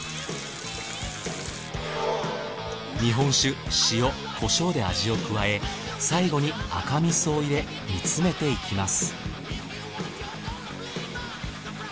日本酒塩コショウで味を加え最後に赤味噌を入れ煮詰めていきます。